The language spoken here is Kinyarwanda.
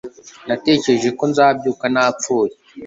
natekereje ko nzabyuka napfuye